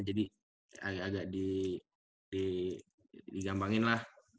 jadi agak agak digampangin lah